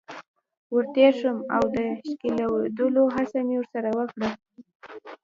ور تیر شوم او د ښکلېدلو هڅه مې ورسره وکړه.